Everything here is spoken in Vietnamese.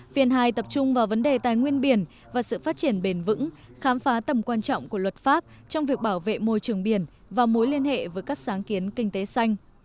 phiên hai tập trung vào vấn đề tài nguyên biển và sự phát triển bền vững khám phá tầm quan trọng của luật pháp trong việc bảo vệ môi trường biển và mối liên hệ với các sáng kiến kinh tế xanh